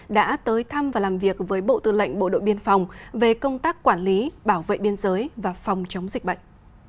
đã tới thăm và làm việc với bộ tư lệnh bộ đội biên phòng về công tác quản lý bảo vệ biên giới và phòng chống dịch bệnh